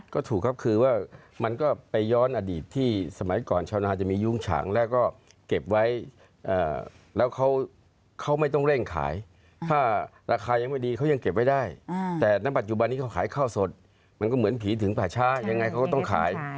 ก็ถูกครับคือว่ามันก็ไปย้อนอดีตที่สมัยก่อนชาวนาจะมียุ้งฉางแล้วก็เก็บไว้แล้วเขาไม่ต้องเร่งขายถ้าราคายังไม่ดีเขายังเก็บไว้ได้แต่ณปัจจุบันนี้เขาขายข้าวสดมันก็เหมือนผีถึงป่าช้ายังไงเขาก็ต้องขาย